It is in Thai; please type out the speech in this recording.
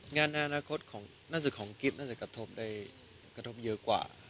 งานนานาคตของกิ๊บน่าจะกระทบได้เยอะกว่า